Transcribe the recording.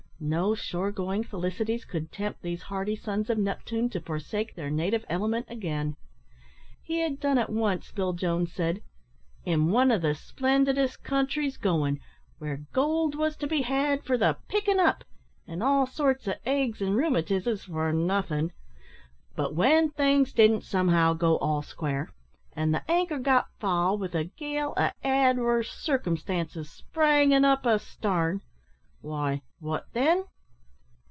No shore going felicities could tempt these hardy sons of Neptune to forsake their native element again. He had done it once, Bill Jones said, "in one o' the splendidest countries goin', where gold was to be had for the pickin' up, and all sorts o' agues and rheumatizes for nothin'; but w'en things didn't somehow go all square, an' the anchor got foul with a gale o' adwerse circumstances springin' up astarn, why, wot then?